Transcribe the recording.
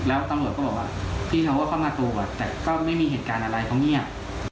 แล้วตำรวจก็บอกว่าพี่เขาก็เข้ามาตรวจแต่ก็ไม่มีเหตุการณ์อะไรเขาเงียบ